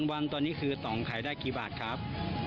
วันตอนนี้คือต่องขายได้กี่บาทครับ